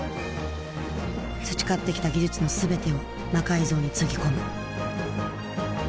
培ってきた技術の全てを魔改造につぎ込む。